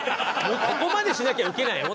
ここまでしなきゃウケないの？っていう。